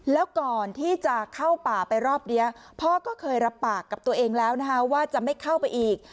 แล้วก่อนที่จะเข้าป่าไปรอบนี้พ่อก็เคยรับปากกับตัวเองแล้วนะคะว่าจะไม่เข้าไปอีก